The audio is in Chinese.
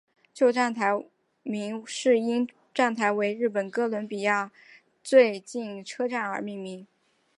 旧站名是因本站为日本哥伦比亚川崎工厂的最近车站而命名。